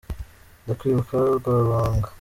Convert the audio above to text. Ndakwibuka rwa ruhanga